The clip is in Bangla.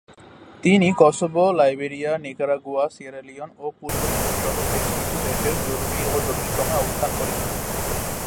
তিনি Kosovo, Liberia, Nicaragua, Sierra Leone ও পূর্ব তিমুর সহ বেশ কিছু দেশে জরুরি ও জটিল সময়ে অবস্থান করেছিলেন।